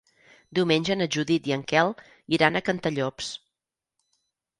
Diumenge na Judit i en Quel iran a Cantallops.